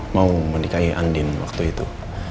mau menikahi andin waktu itu